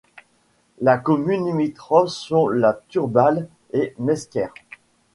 Les communes limitrophes sont La Turballe et Mesquer.